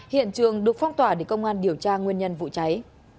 hiện trường được phong tỏa để công an điều tra nguyên nhân vụ cháy